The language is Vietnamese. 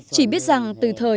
chỉ biết rằng từ thời